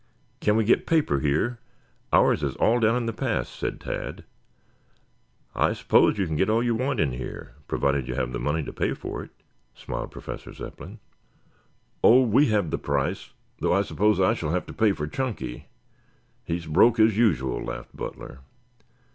Can we get paper here? Ours is all down in the pass," said Tad. "I suppose you can get all you want in here, provided you have the money to pay for it," smiled Professor Zepplin. "Oh, we have the price, though I suppose I shall have to pay for Chunky. He is broke as usual," laughed Butler.